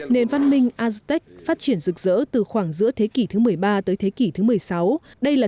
nền văn minh astec phát triển rực rỡ từ khoảng giữa thế kỷ thứ một mươi ba tới thế kỷ thứ một mươi sáu đây là